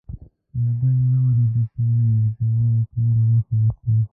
د بل له لوري د تورې د وار کولو مخه نیسي.